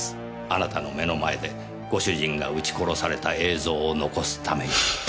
あなたの目の前でご主人が撃ち殺された映像を残すために。